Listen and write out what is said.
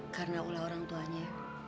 karena ulah orangtuanya